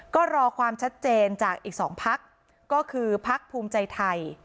ก็รอความชัดเจนจากอีก๒พักก็คือพักภูมิใจไทย